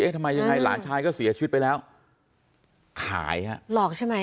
ทำไมยังไงหลานชายก็เสียชีวิตไปแล้วขายฮะหลอกใช่ไหม